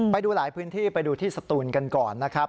ไปดูหลายพื้นที่ไปดูที่สตูนกันก่อนนะครับ